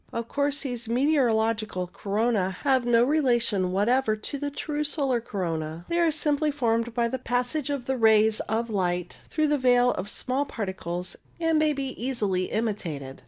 Of course, these meteorological coronae have no relation what ever to the true solar corona ; they are simply formed by the passage of the rays of light through the veil of small particles, and may be easily imi tated.